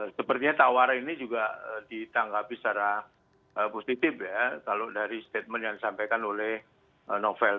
sepertinya tawaran ini juga ditanggapi secara positif ya kalau dari statement yang disampaikan oleh novel